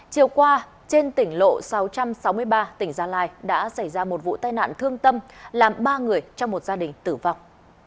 chiều qua trên tỉnh lộ sáu trăm sáu mươi ba tỉnh gia lai đã xảy ra một vụ tai nạn thương tâm làm ba người trong một gia đình tử vong